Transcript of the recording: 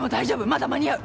まだ間に合う。